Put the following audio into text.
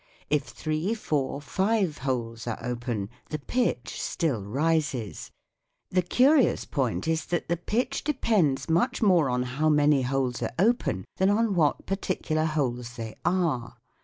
If three, four, five holes are open the pitch still rises. The curious point is that the pitch depends much more on how many holes are open, than on what particular holes they are.